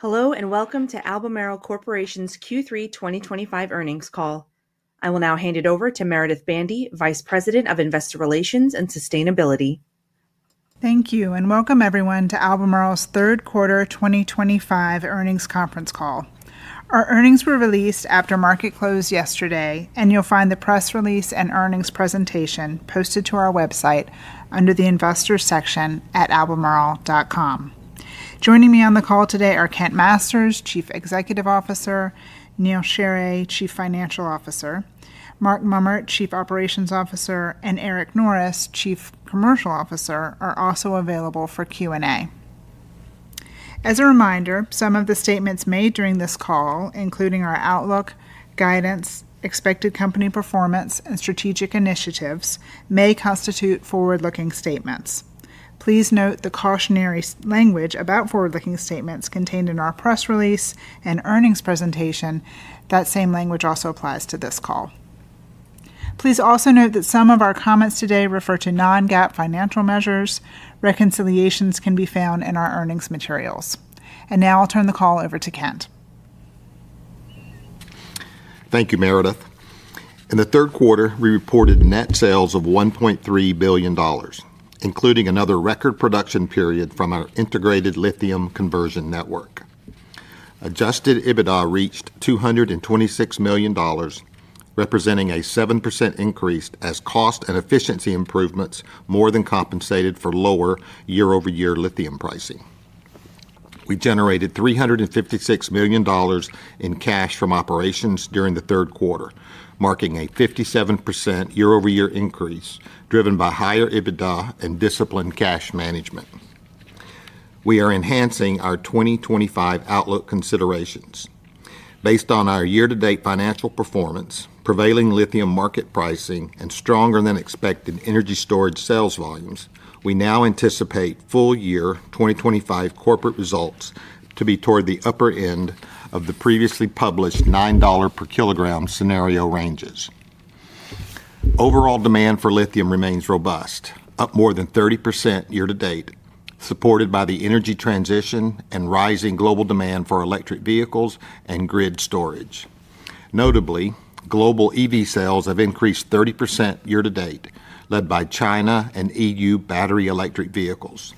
Hello and welcome to Albemarle Corporation's Q3 2025 earnings call. I will now hand it over to Meredith Bandy, Vice President of Investor Relations and Sustainability. Thank you and welcome everyone to Albemarle's third quarter 2025 earnings conference call. Our earnings were released after market close yesterday, and you'll find the press release and earnings presentation posted to our website under the Investors section at albemarle.com. Joining me on the call today are Kent Masters, Chief Executive Officer; Neal Sheorey, Chief Financial Officer; Mark Mummer, Chief Operations Officer; and Eric Norris, Chief Commercial Officer, are also available for Q&A. As a reminder, some of the statements made during this call, including our outlook, guidance, expected company performance, and strategic initiatives, may constitute forward-looking statements. Please note the cautionary language about forward-looking statements contained in our press release and earnings presentation. That same language also applies to this call. Please also note that some of our comments today refer to Non-GAAP financial measures. Reconciliations can be found in our earnings materials. I'll turn the call over to Kent. Thank you, Meredith. In the third quarter, we reported net sales of $1.3 billion, including another record production period from our integrated lithium conversion network. Adjusted EBITDA reached $226 million, representing a 7% increase as cost and efficiency improvements more than compensated for lower year-over-year lithium pricing. We generated $356 million in cash from operations during the third quarter, marking a 57% year-over-year increase driven by higher EBITDA and disciplined cash management. We are enhancing our 2025 outlook considerations. Based on our year-to-date financial performance, prevailing lithium market pricing, and stronger-than-expected energy storage sales volumes, we now anticipate full-year 2025 corporate results to be toward the upper end of the previously published $9 per kilogram scenario ranges. Overall demand for lithium remains robust, up more than 30% year-to-date, supported by the energy transition and rising global demand for electric vehicles and grid storage. Notably, global EV sales have increased 30% year-to-date, led by China and EU battery electric vehicles.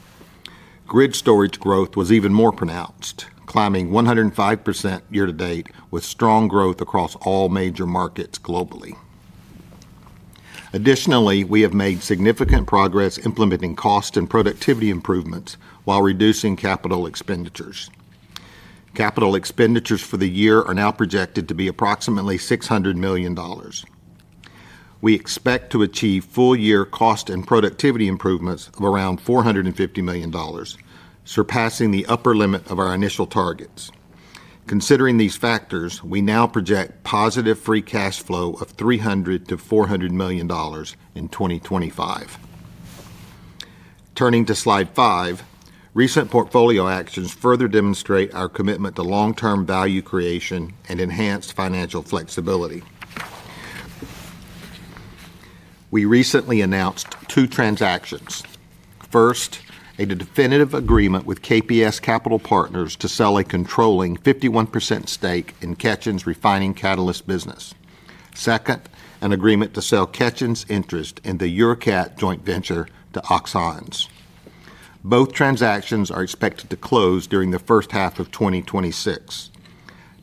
Grid storage growth was even more pronounced, climbing 105% year-to-date, with strong growth across all major markets globally. Additionally, we have made significant progress implementing cost and productivity improvements while reducing capital expenditures. Capital expenditures for the year are now projected to be approximately $600 million. We expect to achieve full-year cost and productivity improvements of around $450 million, surpassing the upper limit of our initial targets. Considering these factors, we now project positive free cash flow of $300 million-$400 million in 2025. Turning to slide five, recent portfolio actions further demonstrate our commitment to long-term value creation and enhanced financial flexibility. We recently announced two transactions. First, a definitive agreement with KPS Capital Partners to sell a controlling 51% stake in Ketjen's refining catalyst business. Second, an agreement to sell Ketjen's interest in the Eurocat joint venture to Oxons. Both transactions are expected to close during the first half of 2026.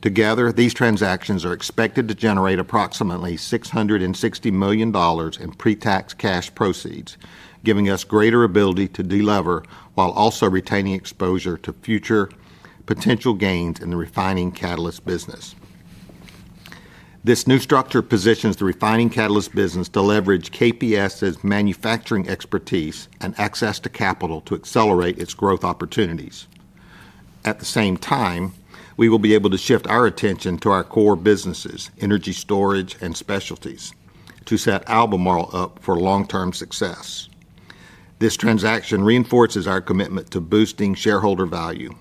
Together, these transactions are expected to generate approximately $660 million in pre-tax cash proceeds, giving us greater ability to delever while also retaining exposure to future potential gains in the refining catalyst business. This new structure positions the refining catalyst business to leverage KPS's manufacturing expertise and access to capital to accelerate its growth opportunities. At the same time, we will be able to shift our attention to our core businesses, energy storage and specialties, to set Albemarle up for long-term success. This transaction reinforces our commitment to boosting shareholder value,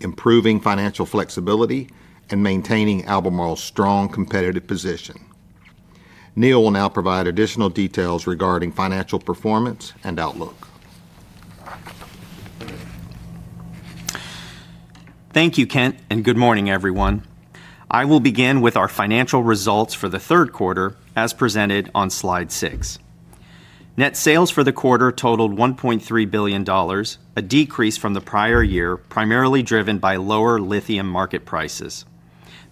improving financial flexibility, and maintaining Albemarle's strong competitive position. Neal will now provide additional details regarding financial performance and outlook. Thank you, Kent, and good morning, everyone. I will begin with our financial results for the third quarter as presented on slide six. Net sales for the quarter totaled $1.3 billion, a decrease from the prior year primarily driven by lower lithium market prices.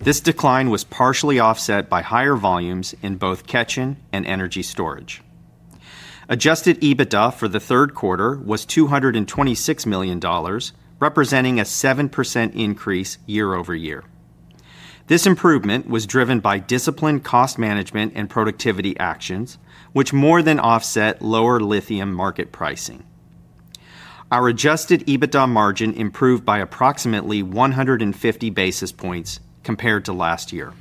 This decline was partially offset by higher volumes in both Ketjen and energy storage. Adjusted EBITDA for the third quarter was $226 million, representing a 7% increase year-over-year. This improvement was driven by disciplined cost management and productivity actions, which more than offset lower lithium market pricing. Our Adjusted EBITDA margin improved by approximately 150 basis points compared to last year.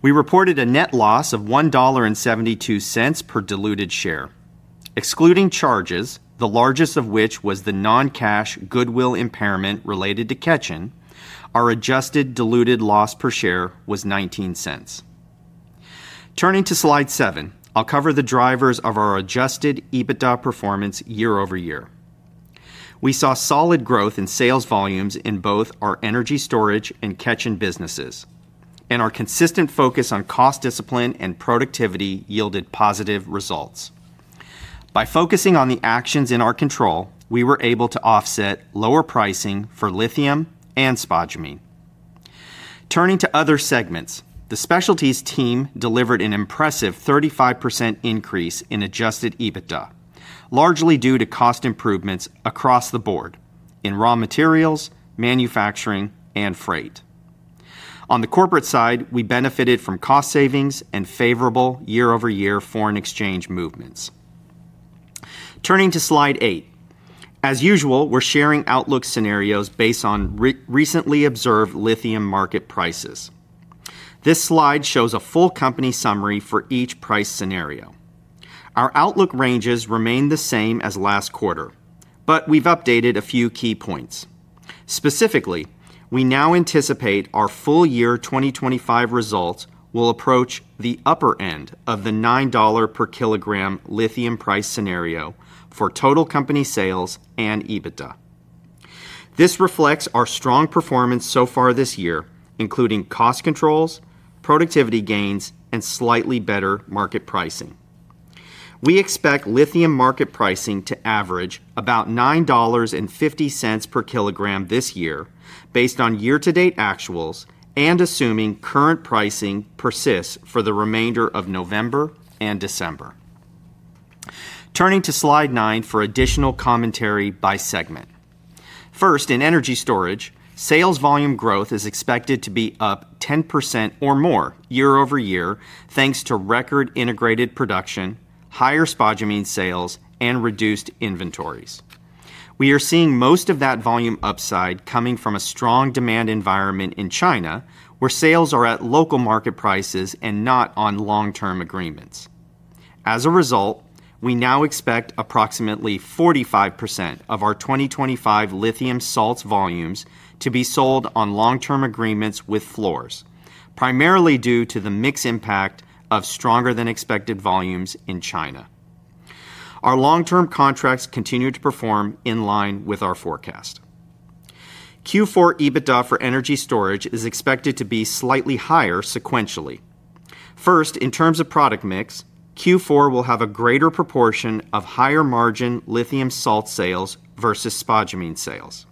We reported a net loss of $1.72 per diluted share. Excluding charges, the largest of which was the non-cash goodwill impairment related to Ketjen, our adjusted diluted loss per share was $0.19. Turning to slide seven, I'll cover the drivers of our Adjusted EBITDA performance year-over-year. We saw solid growth in sales volumes in both our energy storage and Ketjen businesses, and our consistent focus on cost discipline and productivity yielded positive results. By focusing on the actions in our control, we were able to offset lower pricing for lithium and spodumene. Turning to other segments, the specialties team delivered an impressive 35% increase in Adjusted EBITDA, largely due to cost improvements across the board in raw materials, manufacturing, and freight. On the corporate side, we benefited from cost savings and favorable year-over-year foreign exchange movements. Turning to slide eight, as usual, we're sharing outlook scenarios based on recently observed lithium market prices. This slide shows a full company summary for each price scenario. Our outlook ranges remain the same as last quarter, but we've updated a few key points. Specifically, we now anticipate our full-year 2025 results will approach the upper end of the $9 per kilogram lithium price scenario for total company sales and EBITDA. This reflects our strong performance so far this year, including cost controls, productivity gains, and slightly better market pricing. We expect lithium market pricing to average about $9.50 per kilogram this year based on year-to-date actuals and assuming current pricing persists for the remainder of November and December. Turning to slide nine for additional commentary by segment. First, in energy storage, sales volume growth is expected to be up 10% or more year-over-year thanks to record integrated production, higher spodumene sales, and reduced inventories. We are seeing most of that volume upside coming from a strong demand environment in China, where sales are at local market prices and not on long-term agreements. As a result, we now expect approximately 45% of our 2025 lithium salts volumes to be sold on long-term agreements with floors, primarily due to the mixed impact of stronger-than-expected volumes in China. Our long-term contracts continue to perform in line with our forecast. Q4 EBITDA for energy storage is expected to be slightly higher sequentially. First, in terms of product mix, Q4 will have a greater proportion of higher margin lithium salt sales versus spodumene sales.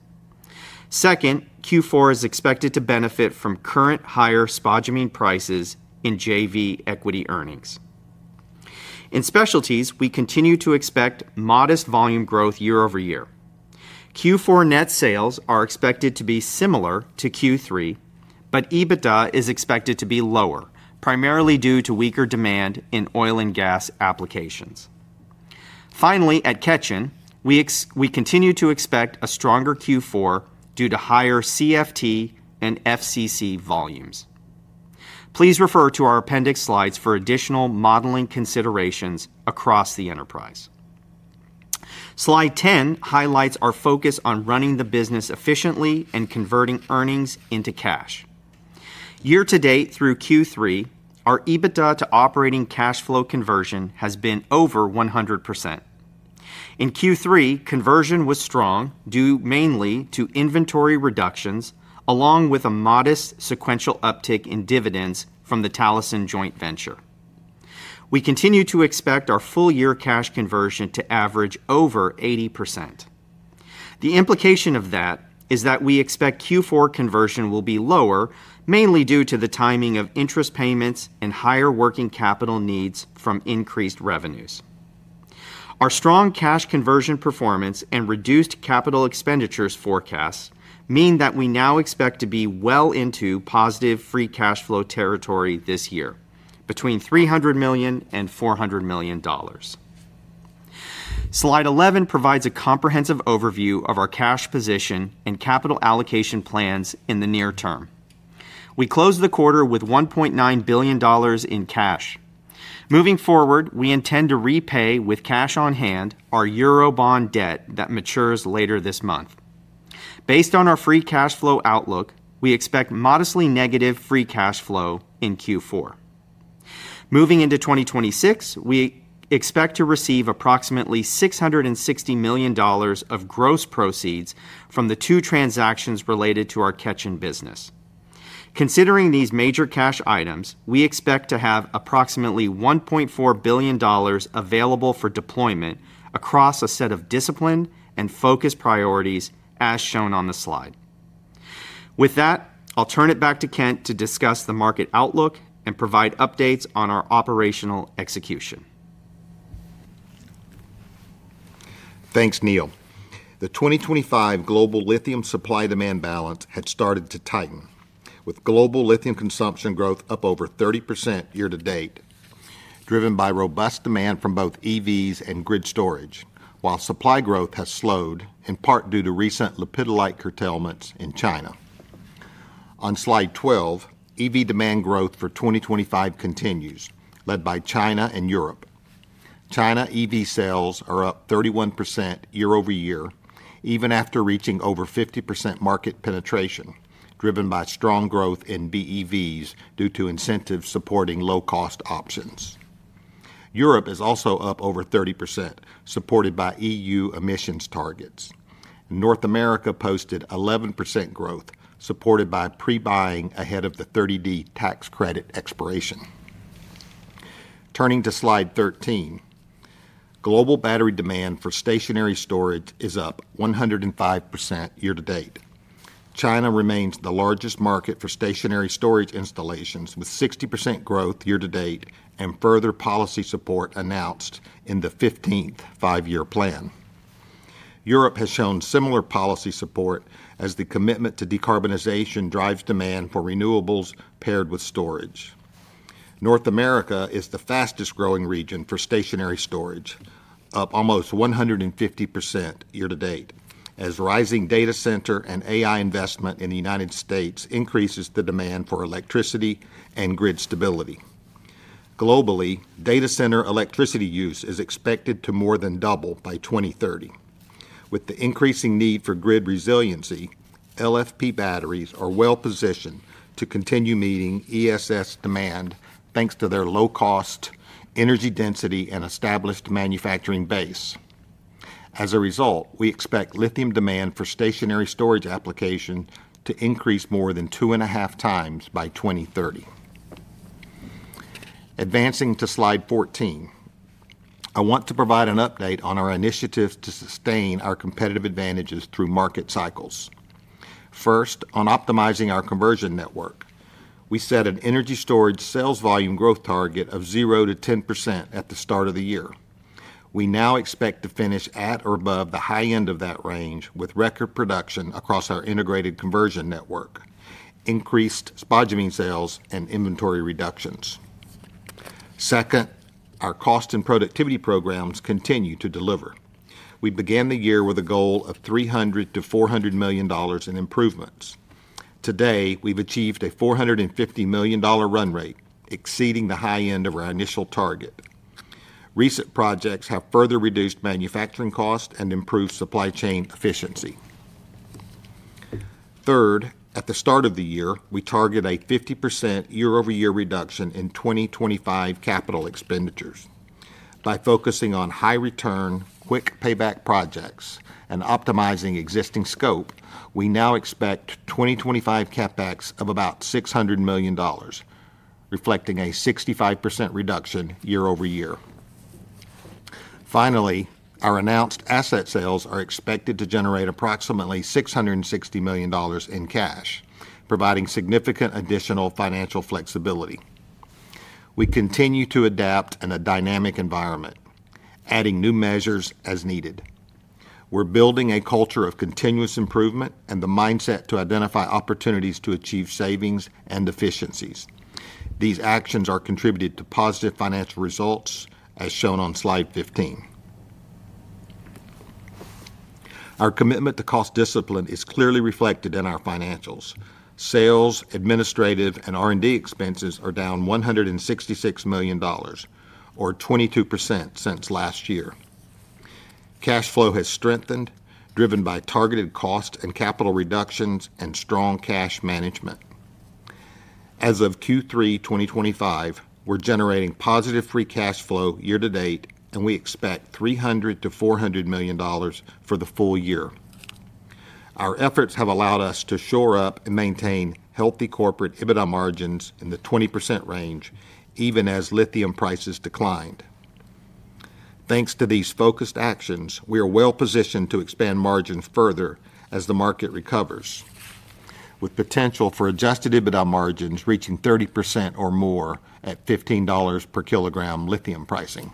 Second, Q4 is expected to benefit from current higher spodumene prices in JV equity earnings. In specialties, we continue to expect modest volume growth year-over-year. Q4 net sales are expected to be similar to Q3, but EBITDA is expected to be lower, primarily due to weaker demand in oil and gas applications. Finally, at Ketjen, we continue to expect a stronger Q4 due to higher CFT and FCC volumes. Please refer to our appendix slides for additional modeling considerations across the enterprise. Slide 10 highlights our focus on running the business efficiently and converting earnings into cash. Year-to-date through Q3, our EBITDA to operating cash flow conversion has been over 100%. In Q3, conversion was strong due mainly to inventory reductions along with a modest sequential uptick in dividends from the Talison joint venture. We continue to expect our full-year cash conversion to average over 80%. The implication of that is that we expect Q4 conversion will be lower, mainly due to the timing of interest payments and higher working capital needs from increased revenues. Our strong cash conversion performance and reduced capital expenditures forecasts mean that we now expect to be well into positive free cash flow territory this year, between $300 million and $400 million. Slide 11 provides a comprehensive overview of our cash position and capital allocation plans in the near term. We closed the quarter with $1.9 billion in cash. Moving forward, we intend to repay with cash on hand our Eurobond debt that matures later this month. Based on our free cash flow outlook, we expect modestly negative free cash flow in Q4. Moving into 2026, we expect to receive approximately $660 million of gross proceeds from the two transactions related to our Ketjen business. Considering these major cash items, we expect to have approximately $1.4 billion available for deployment across a set of disciplined and focused priorities as shown on the slide. With that, I'll turn it back to Kent to discuss the market outlook and provide updates on our operational execution. Thanks, Neal. The 2025 global lithium supply-demand balance had started to tighten, with global lithium consumption growth up over 30% year-to-date, driven by robust demand from both EVs and grid storage, while supply growth has slowed, in part due to recent lepidolite curtailments in China. On slide 12, EV demand growth for 2025 continues, led by China and Europe. China EV sales are up 31% year-over-year, even after reaching over 50% market penetration, driven by strong growth in BEVs due to incentives supporting low-cost options. Europe is also up over 30%, supported by EU emissions targets. North America posted 11% growth, supported by pre-buying ahead of the 30D tax credit expiration. Turning to slide 13. Global battery demand for stationary storage is up 105% year-to-date. China remains the largest market for stationary storage installations, with 60% growth year-to-date and further policy support announced in the 15th five-year plan. Europe has shown similar policy support as the commitment to decarbonization drives demand for renewables paired with storage. North America is the fastest-growing region for stationary storage, up almost 150% year-to-date, as rising data center and AI investment in the United States increases the demand for electricity and grid stability. Globally, data center electricity use is expected to more than double by 2030. With the increasing need for grid resiliency, LFP batteries are well-positioned to continue meeting ESS demand thanks to their low cost, energy density, and established manufacturing base. As a result, we expect lithium demand for stationary storage application to increase more than two and a half times by 2030. Advancing to slide 14. I want to provide an update on our initiatives to sustain our competitive advantages through market cycles. First, on optimizing our conversion network, we set an energy storage sales volume growth target of 0%-10% at the start of the year. We now expect to finish at or above the high end of that range with record production across our integrated conversion network, increased spodumene sales, and inventory reductions. Second, our cost and productivity programs continue to deliver. We began the year with a goal of $300 million-$400 million in improvements. Today, we've achieved a $450 million run rate, exceeding the high end of our initial target. Recent projects have further reduced manufacturing costs and improved supply chain efficiency. Third, at the start of the year, we target a 50% year-over-year reduction in 2025 capital expenditures. By focusing on high-return, quick-payback projects and optimizing existing scope, we now expect 2025 CapEx of about $600 million, reflecting a 65% reduction year-over-year. Finally, our announced asset sales are expected to generate approximately $660 million in cash, providing significant additional financial flexibility. We continue to adapt in a dynamic environment, adding new measures as needed. We're building a culture of continuous improvement and the mindset to identify opportunities to achieve savings and efficiencies. These actions are contributing to positive financial results, as shown on slide 15. Our commitment to cost discipline is clearly reflected in our financials. Sales, administrative, and R&D expenses are down $166 million, or 22% since last year. Cash flow has strengthened, driven by targeted cost and capital reductions and strong cash management. As of Q3 2025, we're generating positive free cash flow year-to-date, and we expect $300 million-$400 million for the full year. Our efforts have allowed us to shore up and maintain healthy corporate EBITDA margins in the 20% range, even as lithium prices declined. Thanks to these focused actions, we are well-positioned to expand margins further as the market recovers. With potential for Adjusted EBITDA margins reaching 30% or more at $15 per kilogram lithium pricing.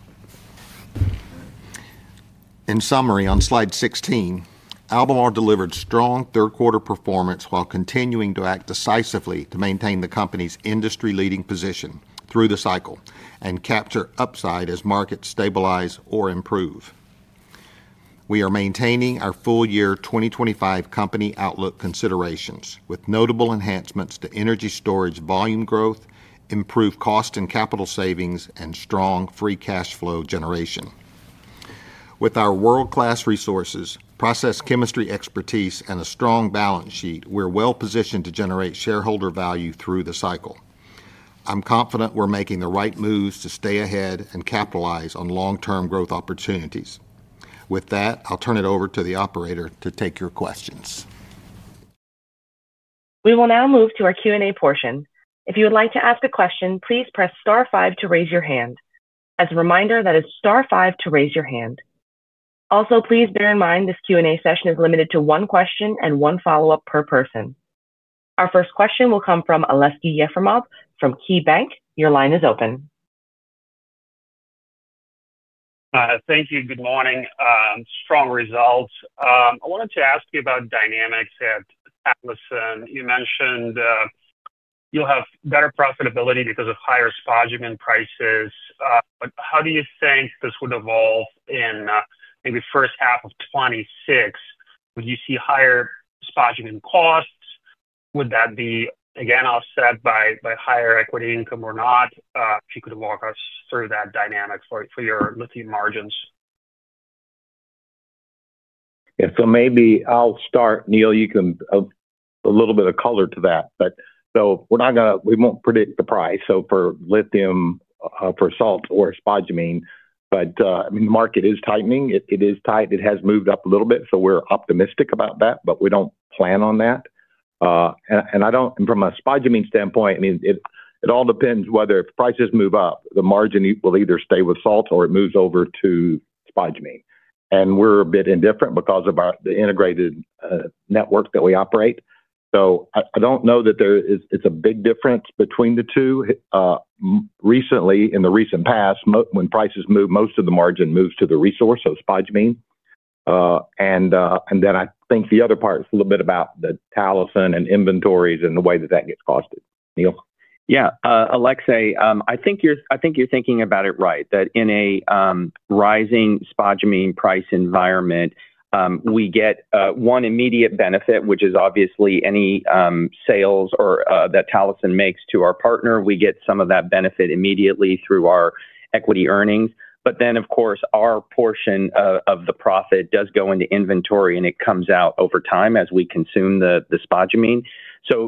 In summary, on slide 16, Albemarle delivered strong third-quarter performance while continuing to act decisively to maintain the company's industry-leading position through the cycle and capture upside as markets stabilize or improve. We are maintaining our full-year 2025 company outlook considerations with notable enhancements to energy storage volume growth, improved cost and capital savings, and strong free cash flow generation. With our world-class resources, process chemistry expertise, and a strong balance sheet, we're well-positioned to generate shareholder value through the cycle. I'm confident we're making the right moves to stay ahead and capitalize on long-term growth opportunities. With that, I'll turn it over to the operator to take your questions. We will now move to our Q&A portion. If you would like to ask a question, please press star five to raise your hand. As a reminder, that is star five to raise your hand. Also, please bear in mind this Q&A session is limited to one question and one follow-up per person. Our first question will come from Aleksey Yefremov from KeyBanc Capital Markets. Your line is open. Thank you. Good morning. Strong results. I wanted to ask you about dynamics at Talison. You mentioned. You'll have better profitability because of higher spodumene prices. How do you think this would evolve in maybe the first half of 2026? Would you see higher spodumene costs? Would that be, again, offset by higher equity income or not? If you could walk us through that dynamic for your lithium margins. Yeah. Maybe I'll start. Neal, you can add a little bit of color to that. We're not going to—we won't predict the price for lithium, for salt, or spodumene. I mean, the market is tightening. It is tight. It has moved up a little bit. We're optimistic about that, but we do not plan on that. I do not—and from a spodumene standpoint, I mean, it all depends whether if prices move up, the margin will either stay with salt or it moves over to spodumene. We're a bit indifferent because of the integrated network that we operate. I do not know that there is a big difference between the two. Recently, in the recent past, when prices move, most of the margin moves to the resource, so spodumene. I think the other part is a little bit about the Talison and inventories and the way that that gets costed. Neal? Yeah. Aleksey, I think you're thinking about it right, that in a rising spodumene price environment, we get one immediate benefit, which is obviously any sales that Talison makes to our partner. We get some of that benefit immediately through our equity earnings. Of course, our portion of the profit does go into inventory, and it comes out over time as we consume the spodumene.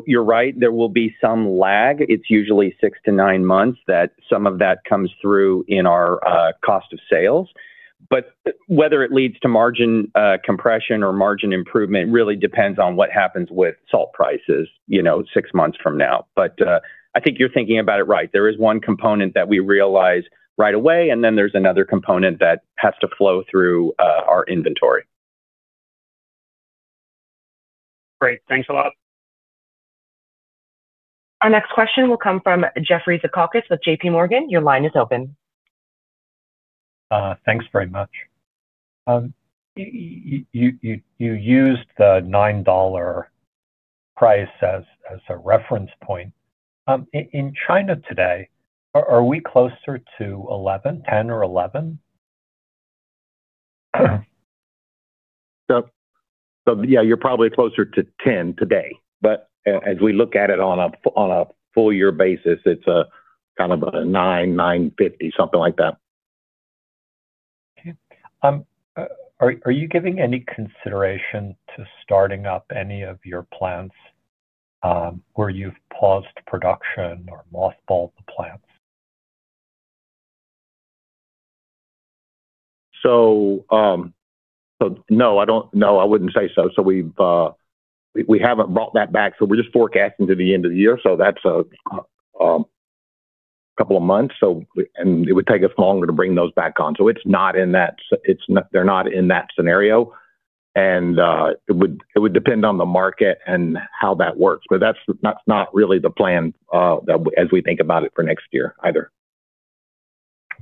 You're right, there will be some lag. It's usually six to nine months that some of that comes through in our cost of sales. Whether it leads to margin compression or margin improvement really depends on what happens with salt prices six months from now. I think you're thinking about it right. There is one component that we realize right away, and then there's another component that has to flow through our inventory. Great. Thanks a lot. Our next question will come from Jeffrey Zekauskas with JPMorgan. Your line is open. Thanks very much. You used the $9 price as a reference point. In China today, are we closer to $11, $10, or $11? Yeah, you're probably closer to 10 today. But as we look at it on a full-year basis, it's kind of a 9-9.50, something like that. Okay. Are you giving any consideration to starting up any of your plants where you've paused production or mothballed the plants? No, I don't know. I wouldn't say so. We haven't brought that back. We're just forecasting to the end of the year. That's a couple of months, and it would take us longer to bring those back on. It's not in that scenario. It would depend on the market and how that works. That's not really the plan as we think about it for next year either.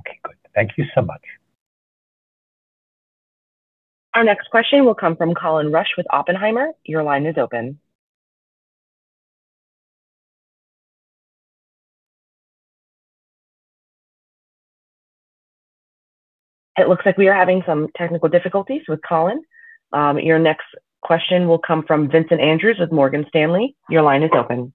Okay. Good. Thank you so much. Our next question will come from Colin Rusch with Oppenheimer. Your line is open. It looks like we are having some technical difficulties with Colin. Your next question will come from Vincent Andrews with Morgan Stanley. Your line is open.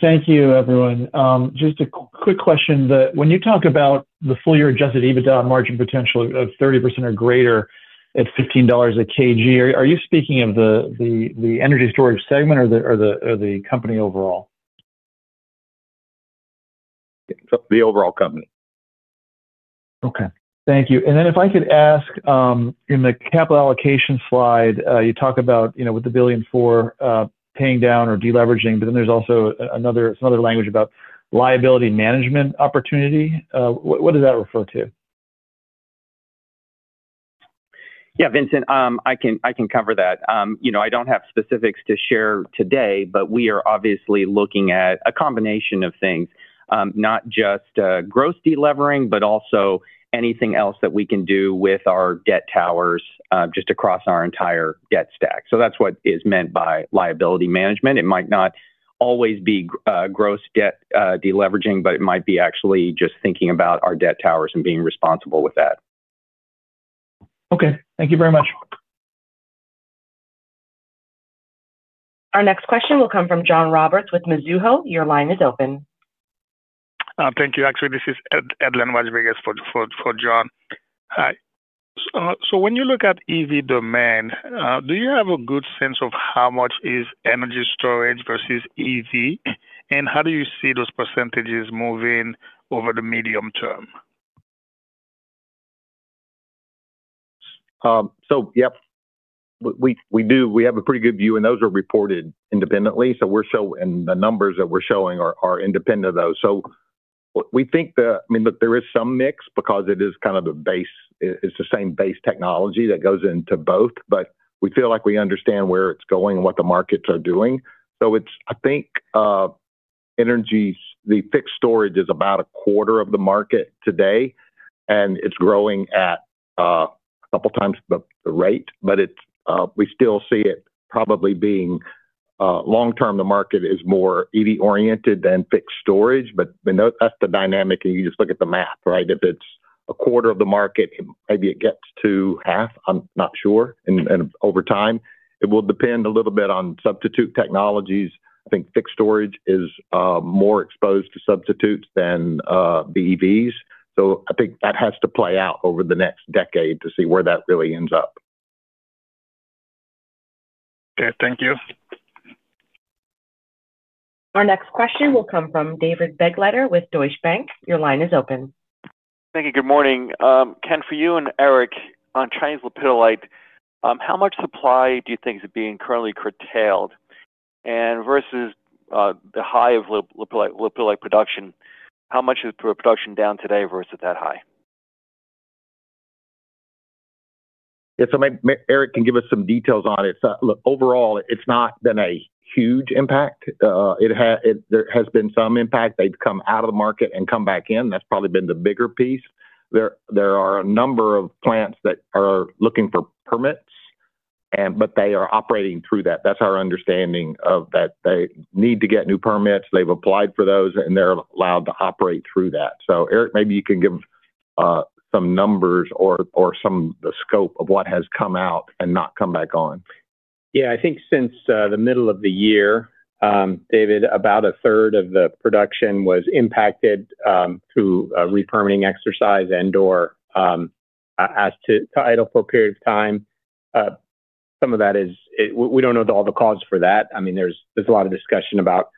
Thank you, everyone. Just a quick question. When you talk about the full-year Adjusted EBITDA margin potential of 30% or greater at $15 a kg, are you speaking of the energy storage segment or the company overall? The overall company. Okay. Thank you. If I could ask, in the capital allocation slide, you talk about with the billion for paying down or deleveraging, but then there's also some other language about liability management opportunity. What does that refer to? Yeah, Vincent, I can cover that. I do not have specifics to share today, but we are obviously looking at a combination of things, not just gross delevering, but also anything else that we can do with our debt towers just across our entire debt stack. That is what is meant by liability management. It might not always be gross debt deleveraging, but it might be actually just thinking about our debt towers and being responsible with that. Okay. Thank you very much. Our next question will come from John Roberts with Mizuho. Your line is open. Thank you. Actually, this is Edlain Rodriguez for John. When you look at EV demand, do you have a good sense of how much is energy storage versus EV? How do you see those percentages moving over the medium term? Yep. We do. We have a pretty good view, and those are reported independently. We are showing the numbers that we are showing are independent of those. We think that, I mean, there is some mix because it is kind of the base—it is the same base technology that goes into both. We feel like we understand where it is going and what the markets are doing. I think energy, the fixed storage is about a quarter of the market today, and it is growing at a couple of times the rate. We still see it probably being, long-term, the market is more EV-oriented than fixed storage. That is the dynamic. You just look at the math, right? If it is a quarter of the market, maybe it gets to half. I am not sure. Over time, it will depend a little bit on substitute technologies. I think fixed storage is more exposed to substitutes than the EVs. I think that has to play out over the next decade to see where that really ends up. Okay. Thank you. Our next question will come from David Begleiter with Deutsche Bank. Your line is open. Thank you. Good morning. Ken, for you and Eric on Chinese lepidolite, how much supply do you think is being currently curtailed? Versus the high of lepidolite production, how much is production down today versus that high? Yeah. So Eric can give us some details on it. Overall, it's not been a huge impact. There has been some impact. They've come out of the market and come back in. That's probably been the bigger piece. There are a number of plants that are looking for permits, but they are operating through that. That's our understanding of that. They need to get new permits. They've applied for those, and they're allowed to operate through that. So Eric, maybe you can give some numbers or some of the scope of what has come out and not come back on. Yeah. I think since the middle of the year, David, about a third of the production was impacted through a repurposing exercise and/or as to idle for a period of time. Some of that is—we do not know all the cause for that. I mean, there is a lot of discussion about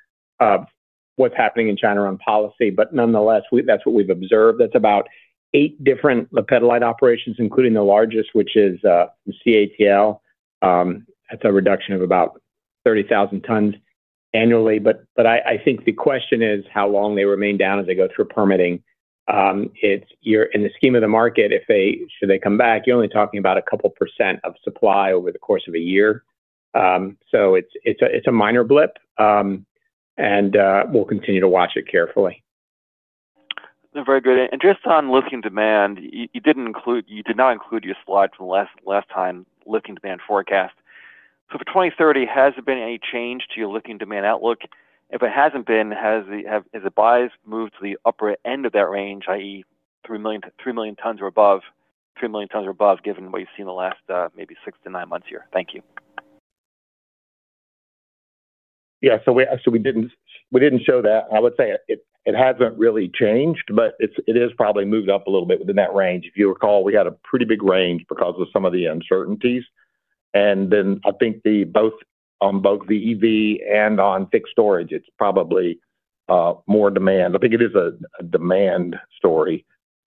what is happening in China around policy. Nonetheless, that is what we have observed. That is about eight different lepidolite operations, including the largest, which is CATL. That is a reduction of about 30,000 tons annually. I think the question is how long they remain down as they go through permitting. In the scheme of the market, should they come back, you are only talking about a couple of percent of supply over the course of a year. It is a minor blip. We will continue to watch it carefully. Very good. And just on lithium demand, you did not include your slide from last time on lithium demand forecast. For 2030, has there been any change to your lithium demand outlook? If it hasn't been, has the bias moved to the upper end of that range, i.e., 3 million tons or above, 3 million tons or above, given what you've seen the last maybe six to nine months here? Thank you. Yeah. We did not show that. I would say it has not really changed, but it has probably moved up a little bit within that range. If you recall, we had a pretty big range because of some of the uncertainties. I think both on the EV and on fixed storage, it is probably more demand. I think it is a demand story,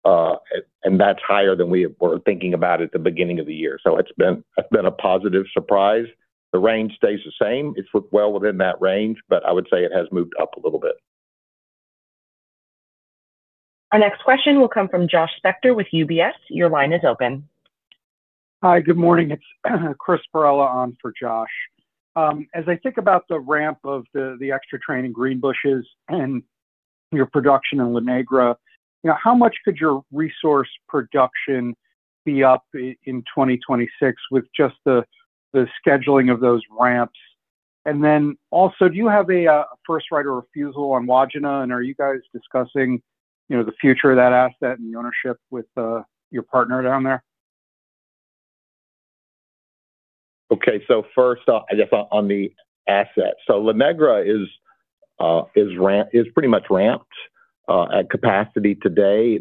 and that is higher than we were thinking about at the beginning of the year. It has been a positive surprise. The range stays the same. It is well within that range, but I would say it has moved up a little bit. Our next question will come from Josh Spector with UBS. Your line is open. Hi. Good morning. It's Chris Farrell on for Josh. As I think about the ramp of the extra train in Greenbushes and your production in La Negra, how much could your resource production be up in 2026 with just the scheduling of those ramps? Also, do you have a first right of refusal on Wodgina? Are you guys discussing the future of that asset and the ownership with your partner down there? Okay. First off, I guess on the asset, so La Negra is pretty much ramped at capacity today.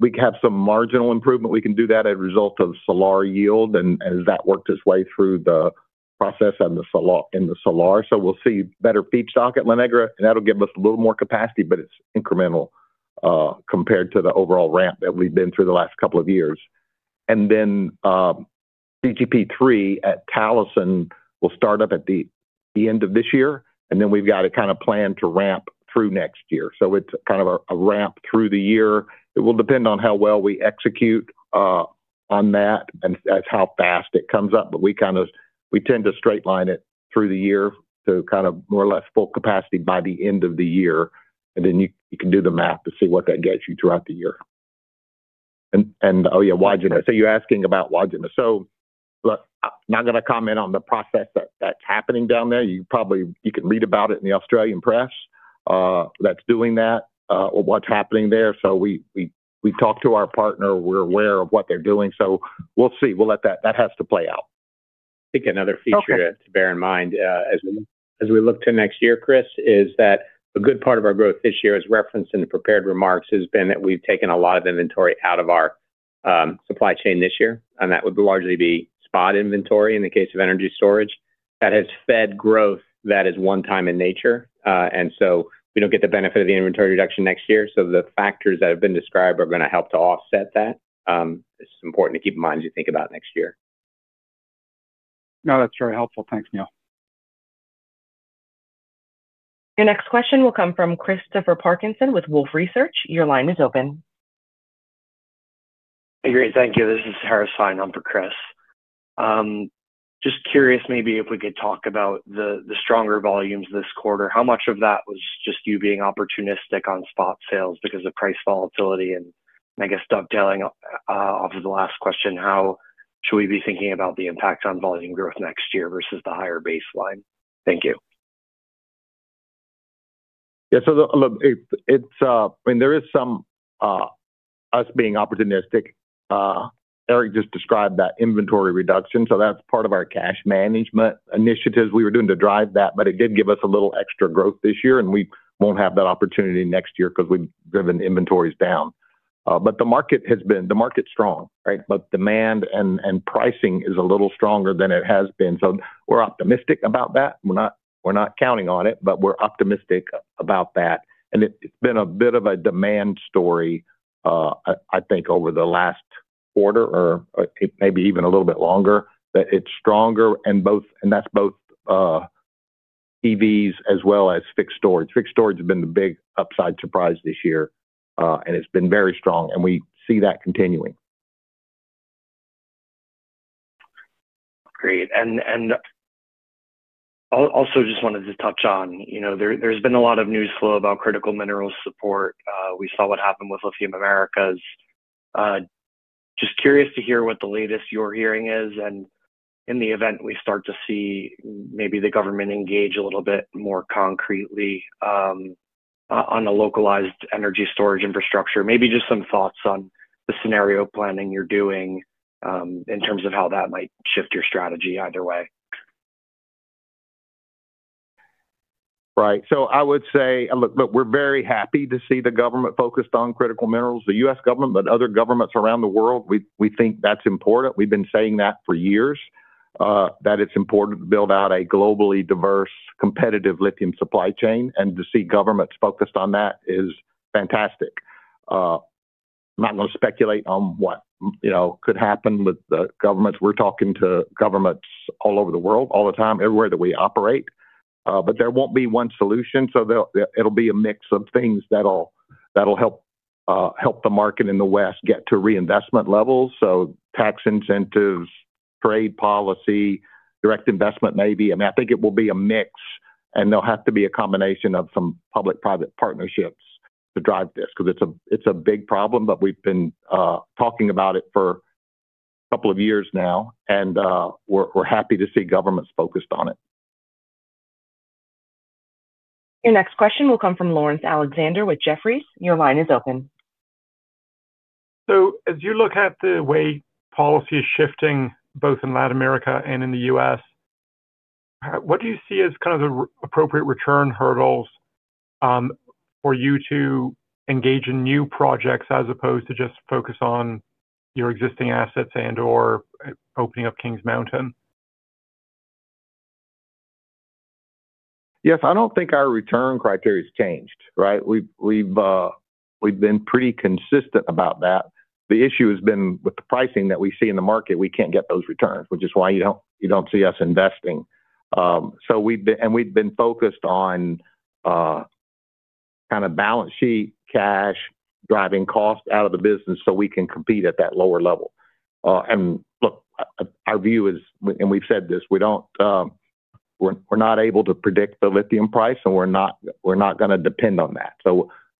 We have some marginal improvement. We can do that as a result of solar yield, and that worked its way through the process in the solar. We will see better feedstock at La Negra, and that will give us a little more capacity, but it is incremental compared to the overall ramp that we have been through the last couple of years. CGP3 at Talison will start up at the end of this year. We have to kind of plan to ramp through next year. It is kind of a ramp through the year. It will depend on how well we execute on that and how fast it comes up. We tend to straight line it through the year to kind of more or less full capacity by the end of the year. You can do the math to see what that gets you throughout the year. Oh yeah, Wagener. You're asking about Wagener. I'm not going to comment on the process that's happening down there. You can read about it in the Australian press. That's doing that or what's happening there. We talked to our partner. We're aware of what they're doing. We'll see. We'll let that—that has to play out. I think another feature to bear in mind as we look to next year, Chris, is that a good part of our growth this year, as referenced in the prepared remarks, has been that we've taken a lot of inventory out of our supply chain this year. That would largely be spot inventory in the case of energy storage. That has fed growth that is one-time in nature. We do not get the benefit of the inventory reduction next year. The factors that have been described are going to help to offset that. It is important to keep in mind as you think about next year. No, that's very helpful. Thanks, Neal. Your next question will come from Christopher Parkinson with Wolfe Research. Your line is open. Hey, great. Thank you. This is Harris Fein on for Chris. Just curious maybe if we could talk about the stronger volumes this quarter. How much of that was just you being opportunistic on spot sales because of price volatility and, I guess, dovetailing off of the last question? How should we be thinking about the impact on volume growth next year versus the higher baseline? Thank you. Yeah. So look, I mean, there is some. Us being opportunistic. Eric just described that inventory reduction. So that's part of our cash management initiatives we were doing to drive that. It did give us a little extra growth this year. We won't have that opportunity next year because we've driven inventories down. The market has been—the market's strong, right? Demand and pricing is a little stronger than it has been. We're optimistic about that. We're not counting on it, but we're optimistic about that. It's been a bit of a demand story, I think, over the last quarter or maybe even a little bit longer that it's stronger. That's both. EVs as well as fixed storage. Fixed storage has been the big upside surprise this year. It's been very strong. We see that continuing. Great. Also just wanted to touch on, there's been a lot of news flow about critical minerals support. We saw what happened with Lithium Americas. Just curious to hear what the latest you're hearing is. In the event we start to see maybe the government engage a little bit more concretely on a localized energy storage infrastructure, maybe just some thoughts on the scenario planning you're doing in terms of how that might shift your strategy either way. Right. I would say, look, we're very happy to see the government focused on critical minerals, the U.S. government, but other governments around the world. We think that's important. We've been saying that for years, that it's important to build out a globally diverse, competitive lithium supply chain. To see governments focused on that is fantastic. I'm not going to speculate on what could happen with the governments. We're talking to governments all over the world, all the time, everywhere that we operate. There won't be one solution. It will be a mix of things that'll help the market in the West get to reinvestment levels. Tax incentives, trade policy, direct investment maybe. I mean, I think it will be a mix. There'll have to be a combination of some public-private partnerships to drive this because it's a big problem. We have been talking about it for a couple of years now, and we are happy to see governments focused on it. Your next question will come from Laurence Alexander with Jefferies. Your line is open. As you look at the way policy is shifting both in Latin America and in the U.S., what do you see as kind of the appropriate return hurdles for you to engage in new projects as opposed to just focus on your existing assets and/or opening up Kings Mountain? Yes. I do not think our return criteria has changed, right? We have been pretty consistent about that. The issue has been with the pricing that we see in the market, we cannot get those returns, which is why you do not see us investing. We have been focused on kind of balance sheet, cash, driving cost out of the business so we can compete at that lower level. Look, our view is, and we have said this, we are not able to predict the lithium price, and we are not going to depend on that.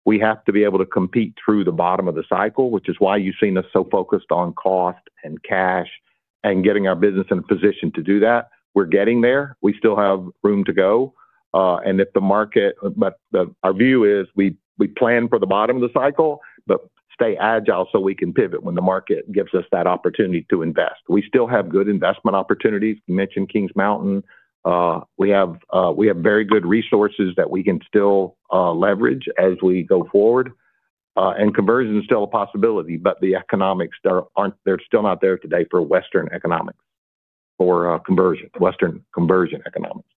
We have to be able to compete through the bottom of the cycle, which is why you have seen us so focused on cost and cash and getting our business in a position to do that. We are getting there. We still have room to go. If the market— Our view is we plan for the bottom of the cycle, but stay agile so we can pivot when the market gives us that opportunity to invest. We still have good investment opportunities. You mentioned Kings Mountain. We have very good resources that we can still leverage as we go forward. Conversion is still a possibility, but the economics, they're still not there today for Western economics, for conversion, Western conversion economics.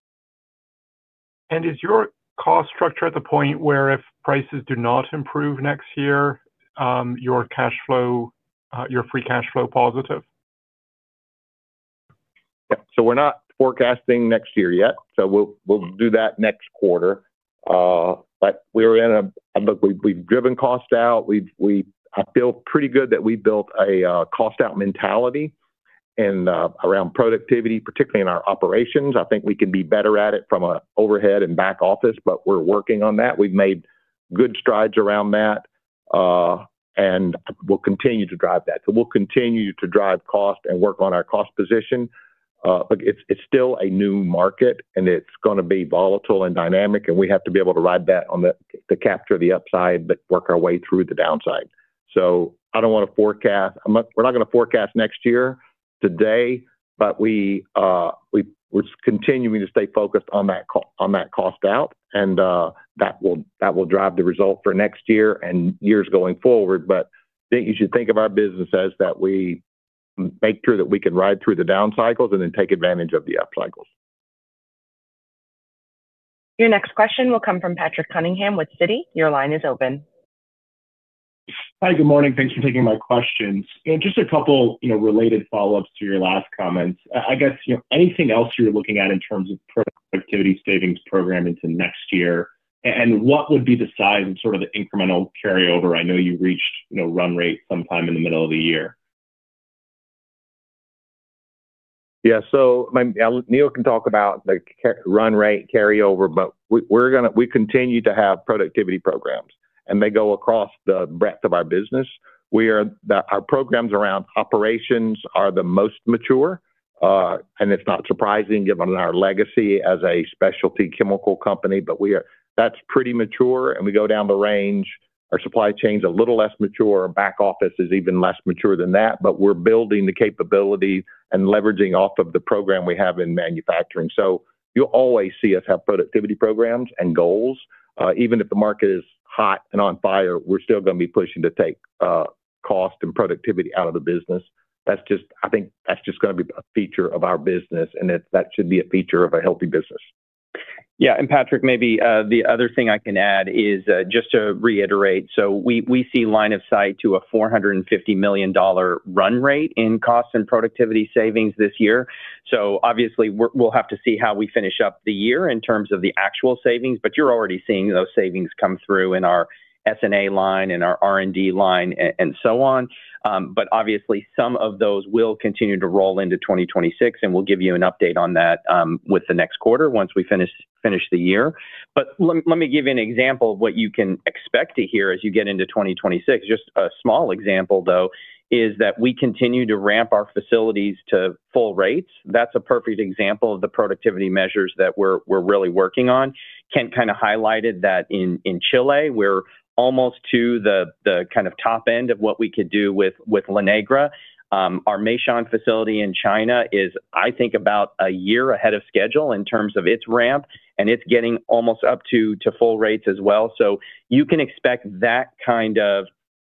Is your cost structure at the point where if prices do not improve next year, your cash flow, your free cash flow positive? Yeah. We are not forecasting next year yet. We will do that next quarter. We have driven cost out. I feel pretty good that we built a cost-out mentality around productivity, particularly in our operations. I think we can be better at it from an overhead and back office, but we are working on that. We have made good strides around that. We will continue to drive that. We will continue to drive cost and work on our cost position. It is still a new market, and it is going to be volatile and dynamic. We have to be able to ride that to capture the upside but work our way through the downside. I do not want to forecast—we are not going to forecast next year today, but we are continuing to stay focused on that cost out. That will drive the result for next year and years going forward. I think you should think of our business as that we make sure that we can ride through the down cycles and then take advantage of the up cycles. Your next question will come from Patrick Cunningham with CIBC. Your line is open. Hi. Good morning. Thanks for taking my questions. Just a couple of related follow-ups to your last comments. I guess anything else you're looking at in terms of productivity savings program into next year? What would be the size of sort of the incremental carryover? I know you reached run rate sometime in the middle of the year. Yeah. Neal can talk about the run rate, carryover, but we continue to have productivity programs. They go across the breadth of our business. Our programs around operations are the most mature. It is not surprising given our legacy as a specialty chemical company, but that is pretty mature. We go down the range. Our supply chain is a little less mature. Back office is even less mature than that. We are building the capability and leveraging off of the program we have in manufacturing. You will always see us have productivity programs and goals. Even if the market is hot and on fire, we are still going to be pushing to take cost and productivity out of the business. I think that is just going to be a feature of our business. That should be a feature of a healthy business. Yeah. Patrick, maybe the other thing I can add is just to reiterate. We see line of sight to a $450 million run rate in cost and productivity savings this year. Obviously, we will have to see how we finish up the year in terms of the actual savings. You are already seeing those savings come through in our S&A line, in our R&D line, and so on. Obviously, some of those will continue to roll into 2026. We will give you an update on that with the next quarter once we finish the year. Let me give you an example of what you can expect to hear as you get into 2026. Just a small example, though, is that we continue to ramp our facilities to full rates. That is a perfect example of the productivity measures that we are really working on. Kent kind of highlighted that in Chile, we're almost to the kind of top end of what we could do with La Negra. Our Meishan facility in China is, I think, about a year ahead of schedule in terms of its ramp. And it's getting almost up to full rates as well. You can expect that kind of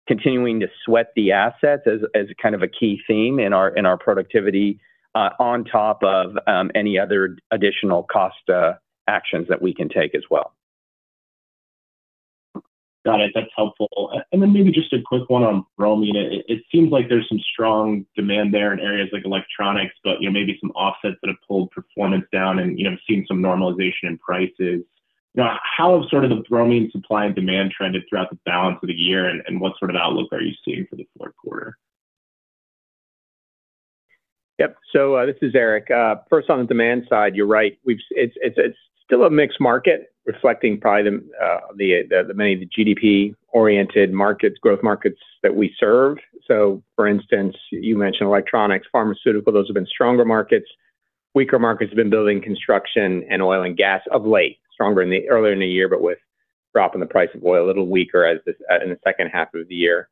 continuing to sweat the assets as kind of a key theme in our productivity on top of any other additional cost actions that we can take as well. Got it. That's helpful. Maybe just a quick one on bromine. It seems like there's some strong demand there in areas like electronics, but maybe some offsets that have pulled performance down and seen some normalization in prices. How have sort of the bromine supply and demand trended throughout the balance of the year? What sort of outlook are you seeing for the fourth quarter? Yep. This is Eric. First, on the demand side, you're right. It's still a mixed market, reflecting probably many of the GDP-oriented markets, growth markets that we serve. For instance, you mentioned electronics, pharmaceutical. Those have been stronger markets. Weaker markets have been building construction and oil and gas of late, stronger earlier in the year, but with the drop in the price of oil, a little weaker in the second half of the year.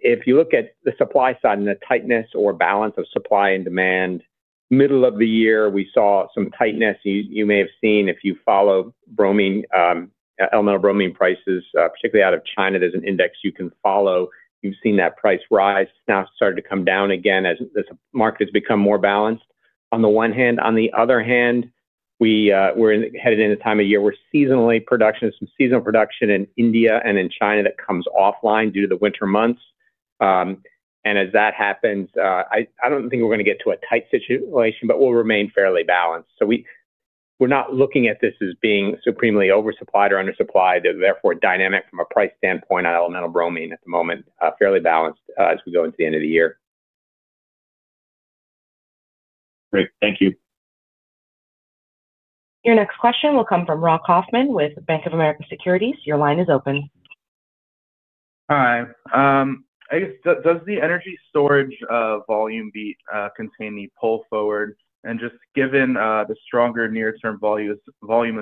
If you look at the supply side and the tightness or balance of supply and demand, middle of the year, we saw some tightness. You may have seen, if you follow elemental bromine prices, particularly out of China, there's an index you can follow. You've seen that price rise. It's now started to come down again as the market has become more balanced on the one hand. On the other hand. We're headed into the time of year where seasonal production is, some seasonal production in India and in China that comes offline due to the winter months. As that happens, I don't think we're going to get to a tight situation, but we'll remain fairly balanced. We're not looking at this as being supremely oversupplied or undersupplied. Therefore, dynamic from a price standpoint on elemental bromine at the moment, fairly balanced as we go into the end of the year. Great. Thank you. Your next question will come from Rock Hoffman with Bank of America Securities. Your line is open. Hi. I guess, does the energy storage volume beat contain the pull forward? And just given the stronger near-term volume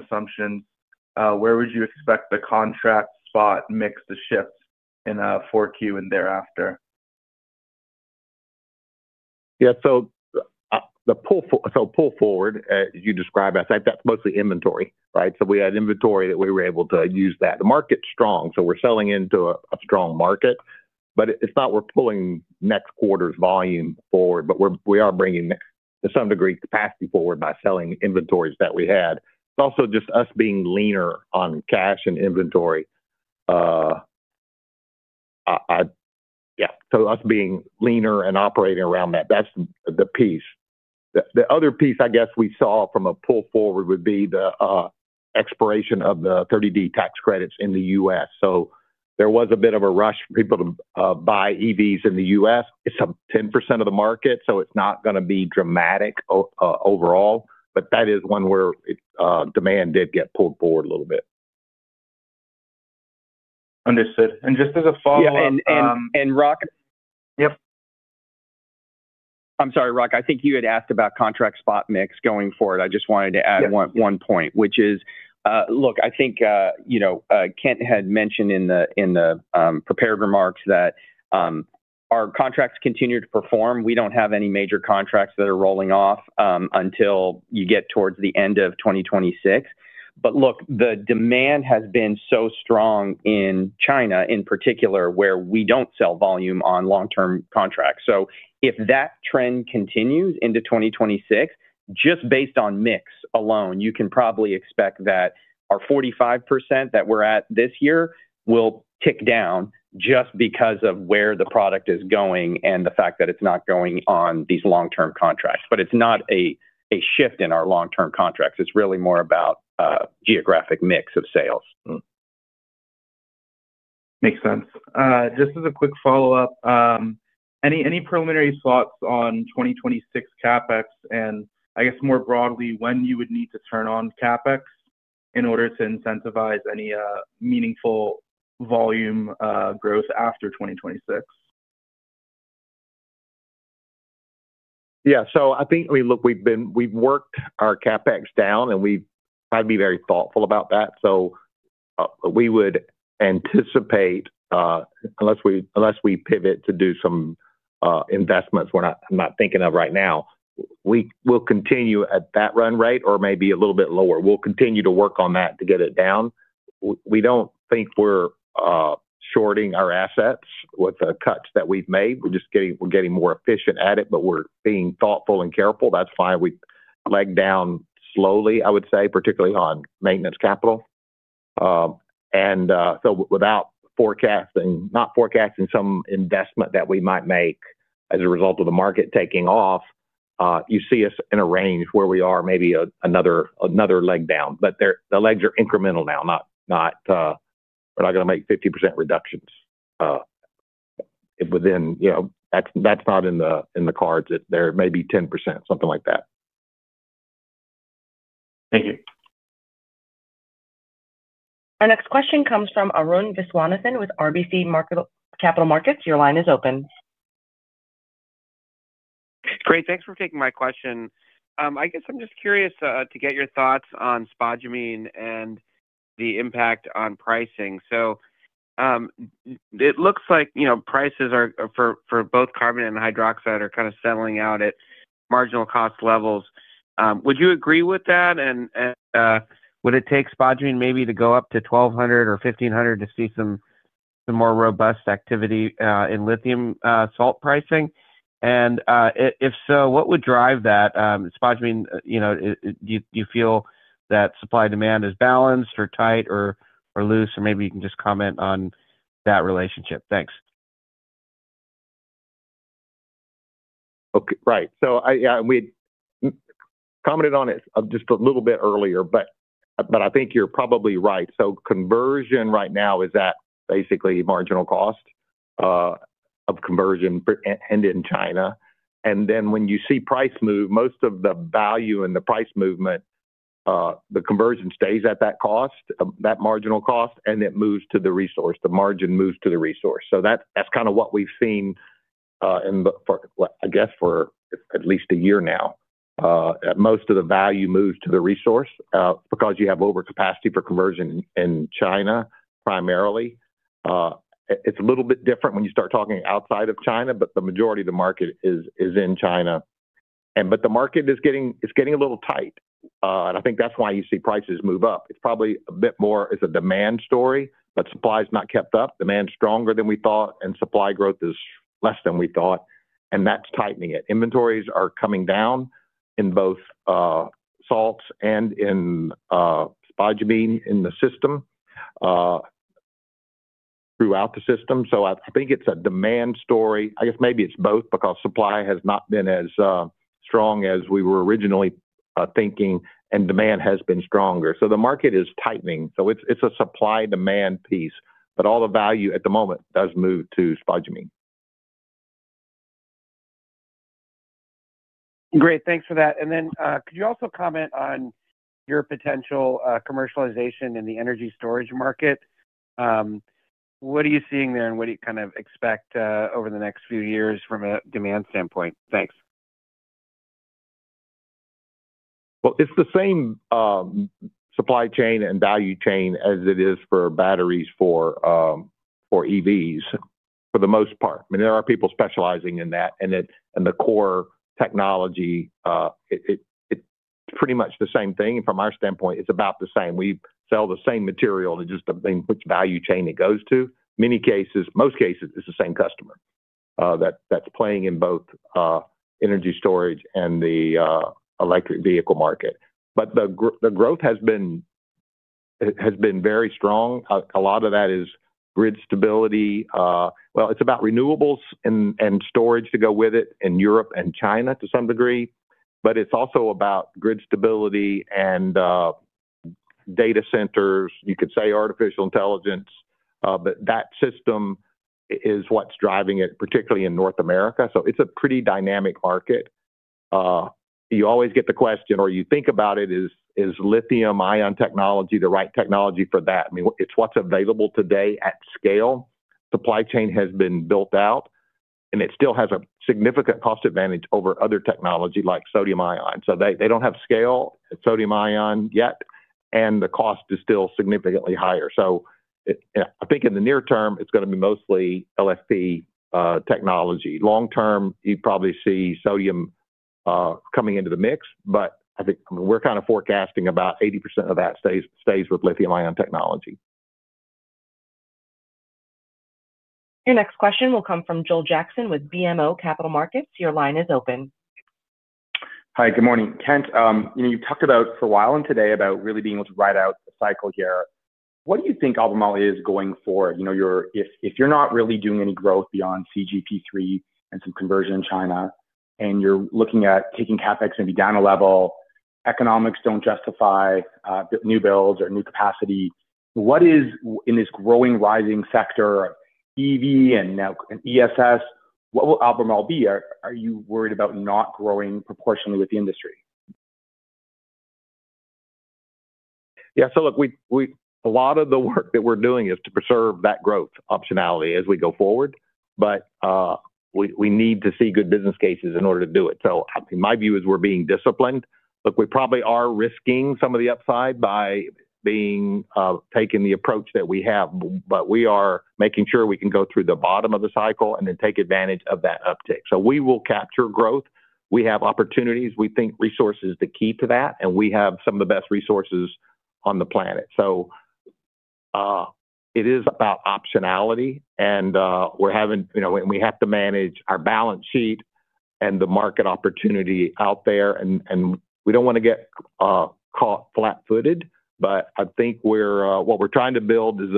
assumptions, where would you expect the contract spot mix to shift in a Q4 and thereafter? Yeah. The pull forward, as you describe, that's mostly inventory, right? We had inventory that we were able to use. The market's strong, so we're selling into a strong market. It's not that we're pulling next quarter's volume forward, but we are bringing to some degree capacity forward by selling inventories that we had. It's also just us being leaner on cash and inventory. Yeah. Us being leaner and operating around that, that's the piece. The other piece, I guess, we saw from a pull forward would be the expiration of the 30D tax credits in the U.S. There was a bit of a rush for people to buy EVs in the U.S. It's 10% of the market, so it's not going to be dramatic overall. That is when demand did get pulled forward a little bit. Understood. Just as a follow-up. Yeah. Rock. Yep. I'm sorry, Rock. I think you had asked about contract spot mix going forward. I just wanted to add one point, which is, look, I think Kent had mentioned in the prepared remarks that our contracts continue to perform. We don't have any major contracts that are rolling off until you get towards the end of 2026. Look, the demand has been so strong in China, in particular, where we don't sell volume on long-term contracts. If that trend continues into 2026, just based on mix alone, you can probably expect that our 45% that we're at this year will tick down just because of where the product is going and the fact that it's not going on these long-term contracts. It's not a shift in our long-term contracts. It's really more about geographic mix of sales. Makes sense. Just as a quick follow-up. Any preliminary thoughts on 2026 CapEx? I guess more broadly, when you would need to turn on CapEx in order to incentivize any meaningful volume growth after 2026? Yeah. So I think, I mean, look, we've worked our CapEx down, and we've got to be very thoughtful about that. We would anticipate, unless we pivot to do some investments we're not thinking of right now, we'll continue at that run rate or maybe a little bit lower. We'll continue to work on that to get it down. We don't think we're shorting our assets with the cuts that we've made. We're getting more efficient at it, but we're being thoughtful and careful. That's why we've legged down slowly, I would say, particularly on maintenance capital. Without forecasting, not forecasting some investment that we might make as a result of the market taking off, you see us in a range where we are maybe another leg down. The legs are incremental now. We're not going to make 50% reductions. That's not in the cards. There may be 10%, something like that. Thank you. Our next question comes from Arun Viswanathan with RBC Capital Markets. Your line is open. Great. Thanks for taking my question. I guess I'm just curious to get your thoughts on spodumene and the impact on pricing. It looks like prices for both carbon and hydroxide are kind of settling out at marginal cost levels. Would you agree with that? Would it take spodumene maybe to go up to $1,200 or $1,500 to see some more robust activity in lithium salt pricing? If so, what would drive that? Spodumene. Do you feel that supply-demand is balanced or tight or loose? Maybe you can just comment on that relationship. Thanks. Right. So yeah. We commented on it just a little bit earlier, but I think you're probably right. Conversion right now is at basically marginal cost of conversion in China. And then when you see price move, most of the value and the price movement, the conversion stays at that cost, that marginal cost, and it moves to the resource. The margin moves to the resource. That's kind of what we've seen, I guess for at least a year now. Most of the value moves to the resource because you have overcapacity for conversion in China primarily. It's a little bit different when you start talking outside of China, but the majority of the market is in China. The market is getting a little tight. I think that's why you see prices move up. It's probably a bit more, it's a demand story, but supply has not kept up. Demand is stronger than we thought, and supply growth is less than we thought. That is tightening it. Inventories are coming down in both salts and in spodumene in the system, throughout the system. I think it's a demand story. I guess maybe it's both because supply has not been as strong as we were originally thinking, and demand has been stronger. The market is tightening. It's a supply-demand piece. All the value at the moment does move to spodumene. Great. Thanks for that. Could you also comment on your potential commercialization in the energy storage market? What are you seeing there? What do you kind of expect over the next few years from a demand standpoint? Thanks. It is the same supply chain and value chain as it is for batteries for EVs, for the most part. I mean, there are people specializing in that, and the core technology, it is pretty much the same thing. From our standpoint, it is about the same. We sell the same material and just the same value chain it goes to. In most cases, it is the same customer that is playing in both energy storage and the electric vehicle market. The growth has been very strong. A lot of that is grid stability. It is about renewables and storage to go with it in Europe and China to some degree. It is also about grid stability and data centers. You could say artificial intelligence, but that system is what is driving it, particularly in North America. It is a pretty dynamic market. You always get the question, or you think about it, is lithium-ion technology the right technology for that? I mean, it's what's available today at scale. Supply chain has been built out. It still has a significant cost advantage over other technology like sodium ion. They don't have scale sodium ion yet, and the cost is still significantly higher. I think in the near term, it's going to be mostly LFP technology. Long term, you probably see sodium coming into the mix. I think we're kind of forecasting about 80% of that stays with lithium-ion technology. Your next question will come from Joel Jackson with BMO Capital Markets. Your line is open. Hi. Good morning. Kent, you talked for a while today about really being able to ride out the cycle here. What do you think Albemarle is going for? If you're not really doing any growth beyond CGP3 and some conversion in China, and you're looking at taking CapEx maybe down a level, economics don't justify new builds or new capacity, what is in this growing, rising sector of EV and ESS, what will Albemarle be? Are you worried about not growing proportionally with the industry? Yeah. So look. A lot of the work that we're doing is to preserve that growth optionality as we go forward. We need to see good business cases in order to do it. So my view is we're being disciplined. Look, we probably are risking some of the upside by taking the approach that we have. We are making sure we can go through the bottom of the cycle and then take advantage of that uptick. We will capture growth. We have opportunities. We think resource is the key to that. We have some of the best resources on the planet. It is about optionality. We're having—we have to manage our balance sheet and the market opportunity out there. We don't want to get caught flat-footed. I think what we're trying to build is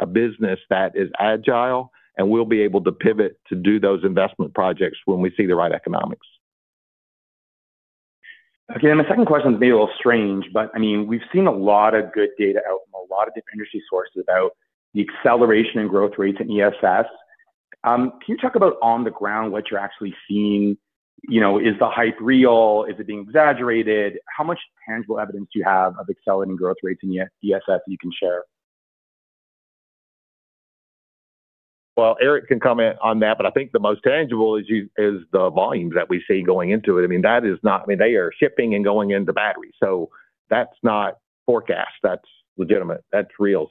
a business that is agile, and we'll be able to pivot to do those investment projects when we see the right economics. Again, the second question is maybe a little strange, but I mean, we've seen a lot of good data out from a lot of different industry sources about the acceleration in growth rates in ESS. Can you talk about on the ground what you're actually seeing? Is the hype real? Is it being exaggerated? How much tangible evidence do you have of accelerating growth rates in ESS that you can share? Eric can comment on that. I think the most tangible is the volumes that we see going into it. I mean, that is not—I mean, they are shipping and going into batteries. That is not forecast. That is legitimate. That is real.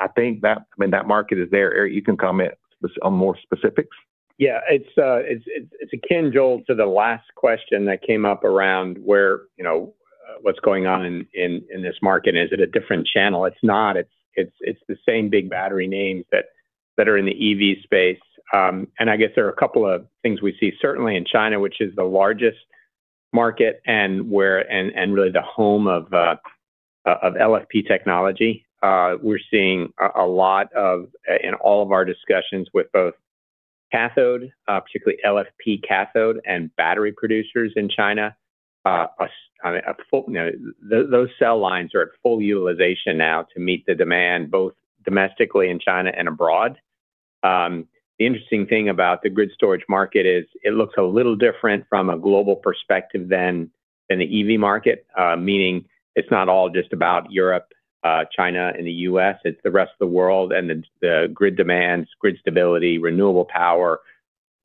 I think that, I mean, that market is there. Eric, you can comment on more specifics. Yeah. It's Eric, Joel, to the last question that came up around what's going on in this market. Is it a different channel? It's not. It's the same big battery names that are in the EV space. I guess there are a couple of things we see, certainly in China, which is the largest market and really the home of LFP technology. We're seeing a lot of, in all of our discussions with both cathode, particularly LFP cathode, and battery producers in China, those cell lines are at full utilization now to meet the demand both domestically in China and abroad. The interesting thing about the grid storage market is it looks a little different from a global perspective than the EV market, meaning it's not all just about Europe, China, and the U.S. It's the rest of the world. The grid demands, grid stability, renewable power.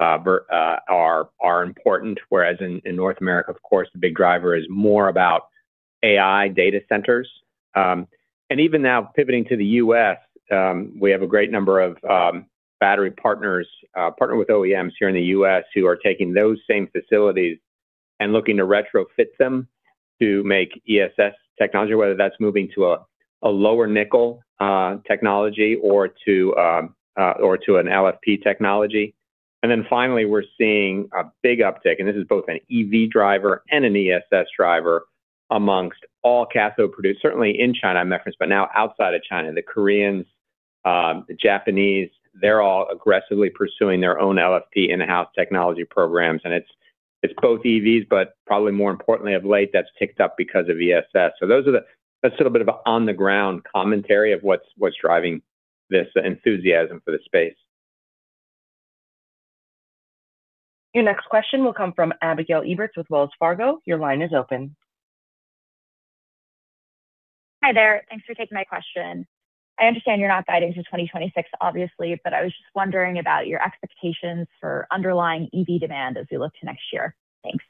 Are important. Whereas in North America, of course, the big driver is more about AI data centers. Even now, pivoting to the U.S., we have a great number of battery partners, partner with OEMs here in the U.S. who are taking those same facilities and looking to retrofit them to make ESS technology, whether that's moving to a lower nickel technology or to an LFP technology. Finally, we're seeing a big uptick. This is both an EV driver and an ESS driver amongst all cathode producers, certainly in China, I referenced, but now outside of China. The Koreans, the Japanese, they're all aggressively pursuing their own LFP in-house technology programs. It's both EVs, but probably more importantly of late, that's ticked up because of ESS. That's a little bit of an on-the-ground commentary of what's driving this enthusiasm for the space. Your next question will come from Abigail Eberts with Wells Fargo. Your line is open. Hi there. Thanks for taking my question. I understand you're not guiding to 2026, obviously, but I was just wondering about your expectations for underlying EV demand as we look to next year. Thanks.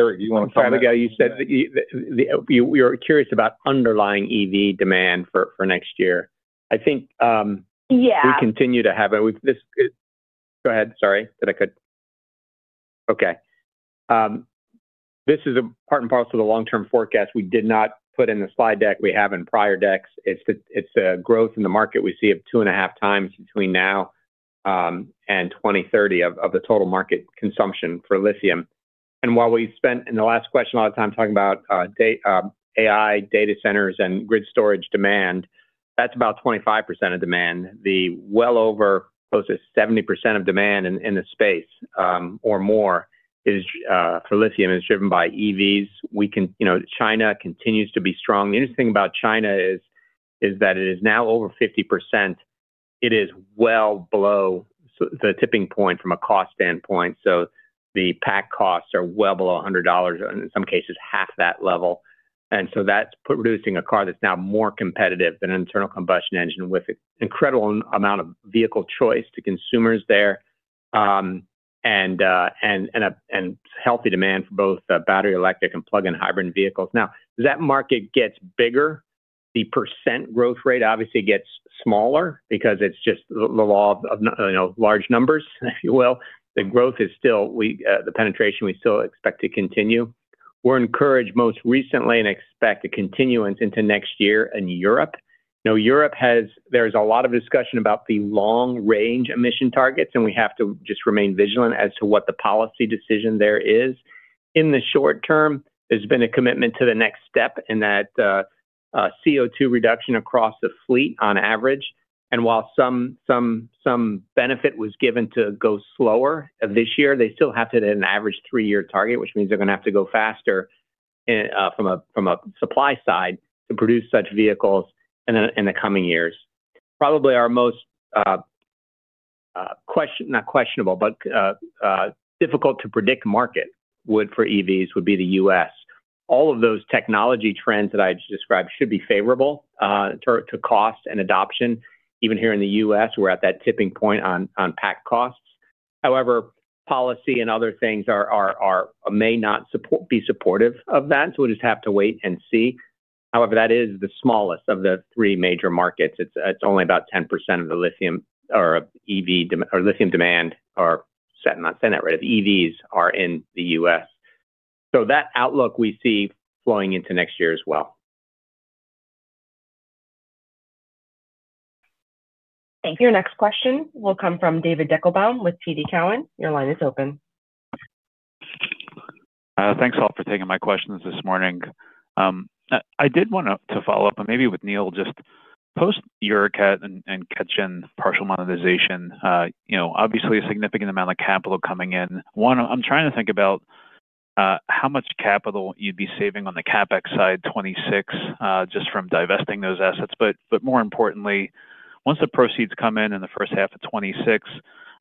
Eric, do you want to comment? Sorry, Abigail. You said that. We were curious about underlying EV demand for next year, I think. Yeah. We continue to have it. Go ahead. Sorry. Did I cut? Okay. This is a part and parcel of the long-term forecast. We did not put in the slide deck. We have in prior decks. It is a growth in the market we see of two and a half times between now and 2030 of the total market consumption for lithium. While we spent in the last question a lot of time talking about AI data centers and grid storage demand, that is about 25% of demand. The well over, close to 70% of demand in the space or more for lithium is driven by EVs. China continues to be strong. The interesting thing about China is that it is now over 50%. It is well below the tipping point from a cost standpoint. The pack costs are well below $100, in some cases half that level. That is producing a car that is now more competitive than an internal combustion engine with an incredible amount of vehicle choice to consumers there. Healthy demand for both battery electric and plug-in hybrid vehicles. Now, as that market gets bigger, the % growth rate obviously gets smaller because it is just the law of large numbers, if you will. The growth is still the penetration we still expect to continue. We are encouraged most recently and expect a continuance into next year in Europe. There is a lot of discussion about the long-range emission targets, and we have to just remain vigilant as to what the policy decision there is. In the short term, there has been a commitment to the next step in that. CO2 reduction across the fleet on average. And while some. Benefit was given to go slower this year, they still have to hit an average three-year target, which means they're going to have to go faster. From a supply side to produce such vehicles in the coming years. Probably our most, not questionable, but difficult-to-predict market for EVs would be the U.S. All of those technology trends that I just described should be favorable to cost and adoption. Even here in the U.S., we're at that tipping point on pack costs. However, policy and other things may not be supportive of that. We just have to wait and see. However, that is the smallest of the three major markets. It's only about 10% of the lithium or EV or lithium demand or, saying that right, of EVs are in the U.S. That outlook we see flowing into next year as well. Thank you. Your next question will come from David Deckelbaum with TD Cowen. Your line is open. Thanks all for taking my questions this morning. I did want to follow up, and maybe with Neal, just post Eurocat and Ketjen partial monetization. Obviously, a significant amount of capital coming in. One, I'm trying to think about how much capital you'd be saving on the CapEx side 2026 just from divesting those assets. More importantly, once the proceeds come in in the first half of 2026,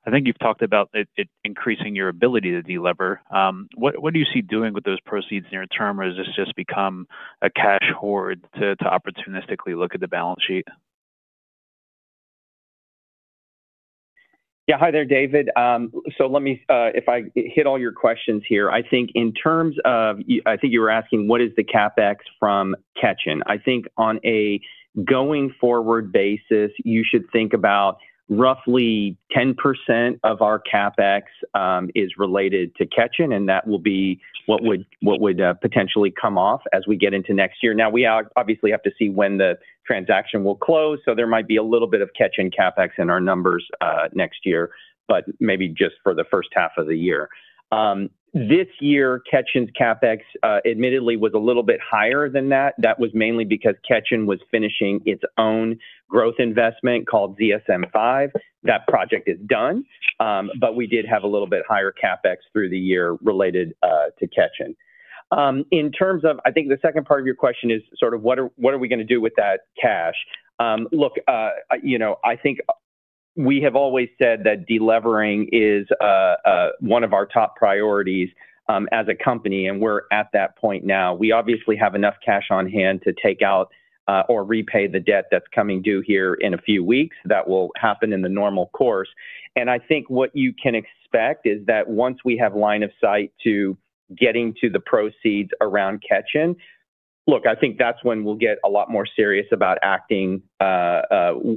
I think you've talked about it increasing your ability to delever. What do you see doing with those proceeds near term? Or has this just become a cash hoard to opportunistically look at the balance sheet? Yeah. Hi there, David. Let me, if I hit all your questions here, I think in terms of, I think you were asking what is the CapEx from Ketjen. I think on a going-forward basis, you should think about roughly 10% of our CapEx is related to Ketjen. That will be what would potentially come off as we get into next year. Now, we obviously have to see when the transaction will close. There might be a little bit of Ketjen CapEx in our numbers next year, but maybe just for the first half of the year. This year, Ketjen's CapEx admittedly was a little bit higher than that. That was mainly because Ketjen was finishing its own growth investment called ZSM-5. That project is done. We did have a little bit higher CapEx through the year related to Ketjen. In terms of, I think the second part of your question is sort of what are we going to do with that cash? Look, I think we have always said that delevering is one of our top priorities as a company. We are at that point now. We obviously have enough cash on hand to take out or repay the debt that is coming due here in a few weeks. That will happen in the normal course. I think what you can expect is that once we have line of sight to getting to the proceeds around Ketjen, look, I think that is when we will get a lot more serious about acting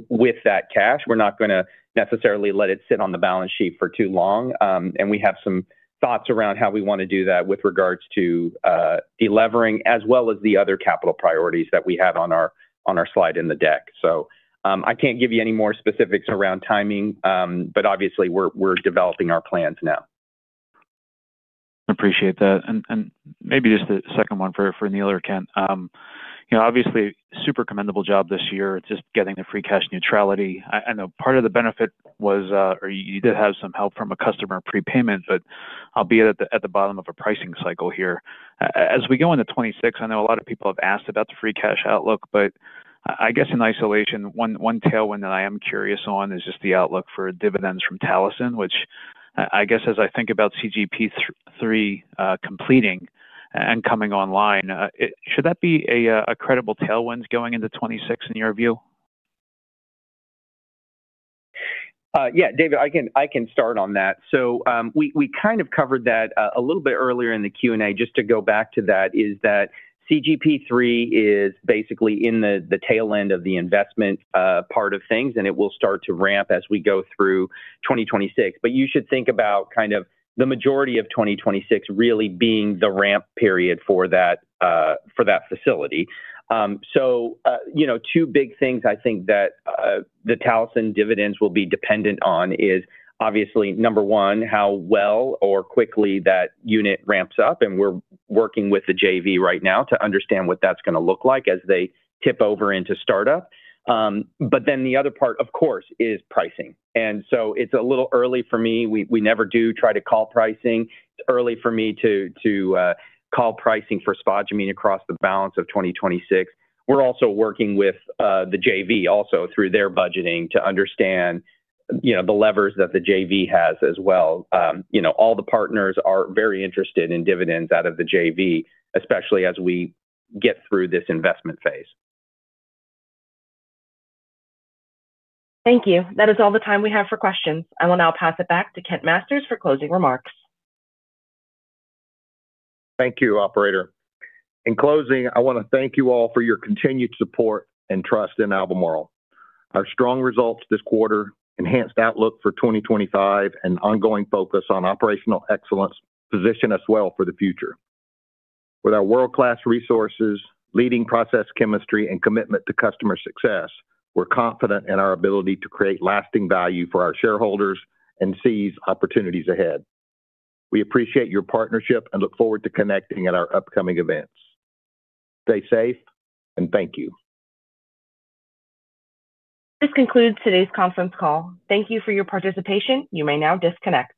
with that cash. We are not going to necessarily let it sit on the balance sheet for too long. We have some thoughts around how we want to do that with regards to. Delivering as well as the other capital priorities that we have on our slide in the deck. I can't give you any more specifics around timing. Obviously, we're developing our plans now. Appreciate that. Maybe just a second one for Neal or Kent. Obviously, super commendable job this year. It's just getting the free cash neutrality. I know part of the benefit was, or you did have some help from a customer prepayment, albeit at the bottom of a pricing cycle here. As we go into 2026, I know a lot of people have asked about the free cash outlook. I guess in isolation, one tailwind that I am curious on is just the outlook for dividends from Talison, which I guess as I think about CGP3 completing and coming online, should that be a credible tailwind going into 2026 in your view? Yeah, David, I can start on that. We kind of covered that a little bit earlier in the Q&A. Just to go back to that is that CGP3 is basically in the tail end of the investment part of things. It will start to ramp as we go through 2026. You should think about the majority of 2026 really being the ramp period for that facility. Two big things I think that the Talison dividends will be dependent on are, obviously, number one, how well or quickly that unit ramps up. We are working with the JV right now to understand what that is going to look like as they tip over into startup. The other part, of course, is pricing. It is a little early for me. We never do try to call pricing. It is early for me to. Call pricing for spodumene across the balance of 2026. We're also working with the JV also through their budgeting to understand. The levers that the JV has as well. All the partners are very interested in dividends out of the JV, especially as we get through this investment phase. Thank you. That is all the time we have for questions. I will now pass it back to Kent Masters for closing remarks. Thank you, Operator. In closing, I want to thank you all for your continued support and trust in Albemarle. Our strong results this quarter, enhanced outlook for 2025, and ongoing focus on operational excellence position us well for the future. With our world-class resources, leading process chemistry, and commitment to customer success, we're confident in our ability to create lasting value for our shareholders and seize opportunities ahead. We appreciate your partnership and look forward to connecting at our upcoming events. Stay safe, and thank you. This concludes today's conference call. Thank you for your participation. You may now disconnect.